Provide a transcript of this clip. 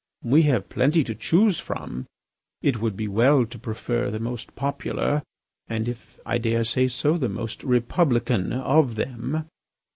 We have plenty to choose from. It would be well to prefer the most popular and, if I dare say so, the most republican of them.